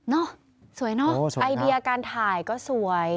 สวยเนอะไอเดียการถ่ายก็สวย